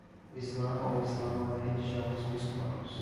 O islã ou islão é a religião dos muçulmanos